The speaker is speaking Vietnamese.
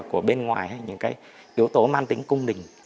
của bên ngoài